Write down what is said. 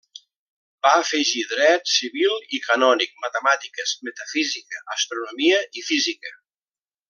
Va afegir dret civil i canònic, matemàtiques, metafísica, astronomia i física.